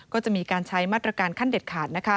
ก็จะมีการใช้มาตรการขั้นเด็ดขาด